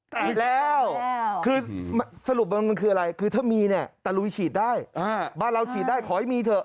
ฉีดแล้วคือสรุปมันคืออะไรคือถ้ามีเนี่ยตะลุยฉีดได้บ้านเราฉีดได้ขอให้มีเถอะ